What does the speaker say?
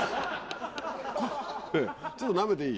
これちょっとなめていい？